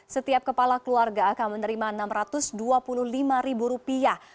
setiap kepala keluarga akan menerima enam ratus dua puluh lima ribu rupiah